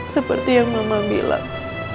seperti yang mama bilang